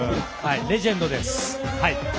レジェンドです。